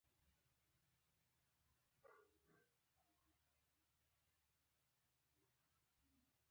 علي په هر مجلس کې مړي خندوي.